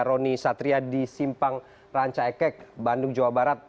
roni satria di simpang ranca ekek bandung jawa barat